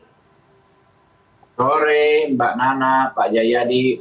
selamat sore mbak nana pak jayadi